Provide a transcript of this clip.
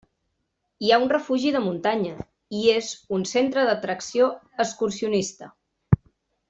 Hi ha un refugi de muntanya, i és un centre d'atracció excursionista.